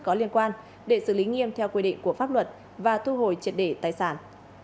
có liên quan để xử lý nghiêm theo quy định của pháp luật và thu hồi triệt để tài sản